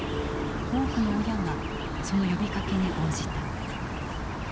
多くの親がその呼びかけに応じた。